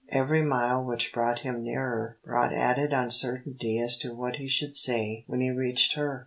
Every mile which brought him nearer, brought added uncertainty as to what he should say when he reached her.